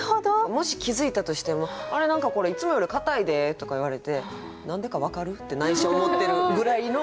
もし気付いたとしても「あれ何かこれいつもより硬いで」とか言われて「何でか分かる？」って内心思ってるぐらいの。